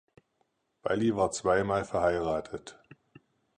Baillie war zwei Mal verheiratet.